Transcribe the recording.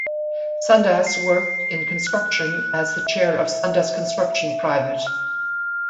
Sundas worked in construction as the chair of Sundas Construction Pvt.